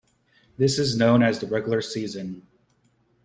This is known as the regular season.